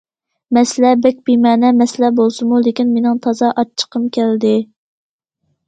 مەسىلە بەك بىمەنە مەسىلە بولسىمۇ، لېكىن مېنىڭ تازا ئاچچىقىم كەلدى.